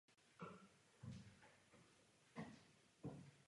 Hráč bude mít k dispozici na výběr ze sedmi tříd postav.